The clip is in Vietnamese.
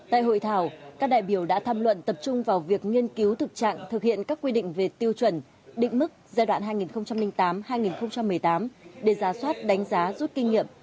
tại hội thảo các đại biểu đã tham luận tập trung vào việc nghiên cứu thực trạng thực hiện các quy định về tiêu chuẩn định mức giai đoạn hai nghìn tám hai nghìn một mươi tám để ra soát đánh giá rút kinh nghiệm